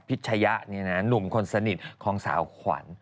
พิชยะนุ่มคนสนิทของสาวขวัญ